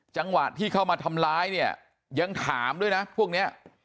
จังหวะที่เข้ามาทำร้ายเนี่ยยังถามด้วยนะพวกนี้